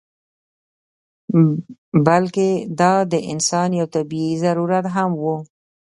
بلکې دا د انسان یو طبعي ضرورت هم و.